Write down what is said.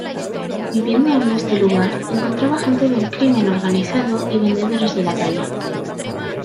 Viviendo en este lugar, encontraba gente del crimen organizado y vendedores de la calle.